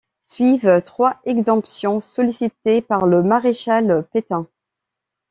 Suivent trois exemptions sollicitées par le Maréchal Pétain.